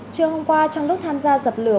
trưa hôm qua trong lúc tham gia dập lửa